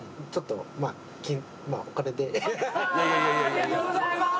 ありがとうございます。